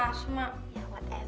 ya kamu sama aja lagi sama si kevin